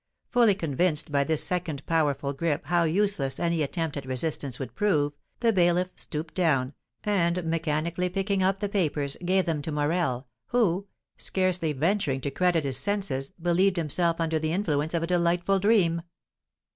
Fully convinced by this second powerful grip how useless any attempt at resistance would prove, the bailiff stooped down, and, mechanically picking up the papers, gave them to Morel, who, scarcely venturing to credit his senses, believed himself under the influence of a delightful dream.